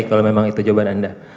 kalau memang itu jawaban anda